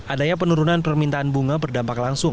adanya penurunan permintaan bunga berdampak langsung